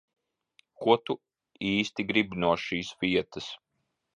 Ko tu īsti gribi no šīs vietas?